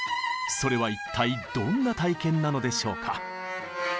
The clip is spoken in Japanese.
それは一体どんな体験なのでしょうか。